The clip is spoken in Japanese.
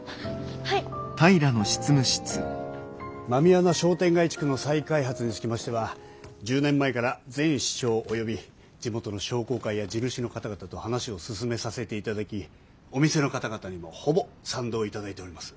狸穴商店街地区の再開発につきましては１０年前から前市長及び地元の商工会や地主の方々と話を進めさせていただきお店の方々にもほぼ賛同いただいております。